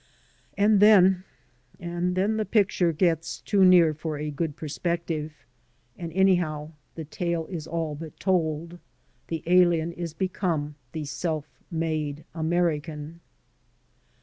And then — and then the picture gets 60 AN AMERICAN IN THE MAKING too near for a good perspective, and anyhow the tale is all but told. The alien is become the self made American.